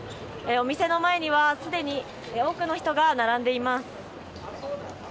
お店の前にはすでに多くの人が並んでいます。